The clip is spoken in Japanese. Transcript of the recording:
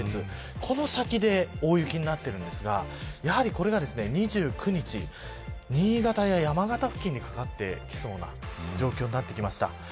この先で大雪になっているんですがやはり、これが２９日新潟や山形付近にかかってきそうな状況になってきました。